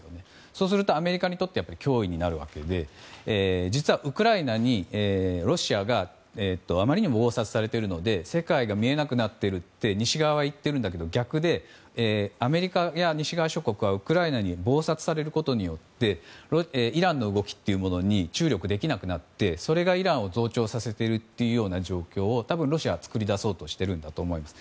そうするとアメリカにとって脅威になるわけで実はウクライナにロシアがあまりにも忙殺されているので世界が見えなくなっていると西側はいっているけど逆でアメリカや西側諸国はウクライナに忙殺されることによってイランの動きというものに注力できなくなってそれがイランを冗長させている状況をロシアが作り出そうとしているんだと思います。